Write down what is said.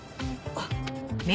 あっ。